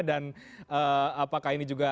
dan apakah ini juga